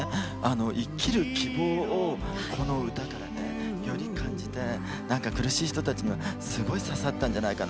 生きる希望をこの歌からより感じて、苦しい人たちにはすごい刺さったんじゃないかな。